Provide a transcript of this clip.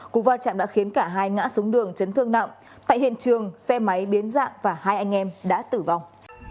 cụ vào chạm đã khiến cả hai ngã súng đường chấn thương nặng tại hiện trường xe máy biến dạng và hai anh em đã tử vong